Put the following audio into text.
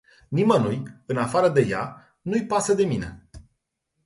Nimănui, în afară de ea, nu-i pasă de mine.